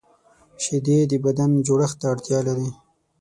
شیدې د بدن جوړښت ته اړتیا لري